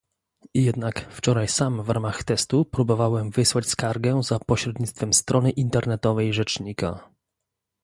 Jednak wczoraj sam w ramach testu próbowałem wysłać skargę za pośrednictwem strony internetowej rzecznika